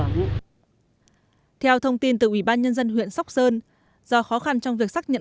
đơn giản bù theo thông tin từ ủy ban nhân dân huyện sóc sơn do khó khăn trong việc xác nhận